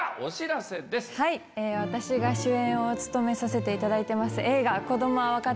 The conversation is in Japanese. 私が主演を務めさせていただいてます。